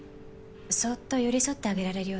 そっと寄り添ってあげられるようなものを